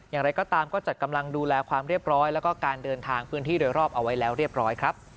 อย่างไรก็ตามก็จัดกำลังดูแลความเรียบร้อยแล้วก็การเดินทางพื้นที่โดยรอบเอาไว้แล้วเรียบร้อยครับ